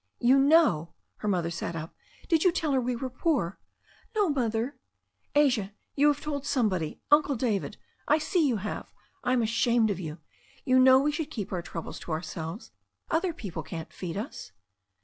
"You know !" Her motlier sat up. "Did you tell her we were poor?" 'No, Mother " 'Asia, you have told somebody — ^Uncle David — ^I see you have. I'm ashamed of you I You know we should keep our troubles to ourselves. Other people can't feed us."